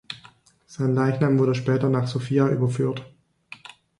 Sein Leichnam wurde später nach Sofia überführt.